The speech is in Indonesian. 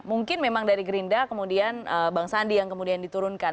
mungkin memang dari gerindra kemudian bang sandi yang kemudian diturunkan